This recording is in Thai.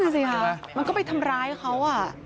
แน่นอนสิครับมันก็ไปทำร้ายเขา